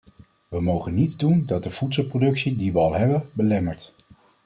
We mogen niets doen dat de voedselproductie die we al hebben, belemmert.